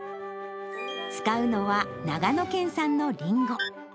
使うのは、長野県産のりんご。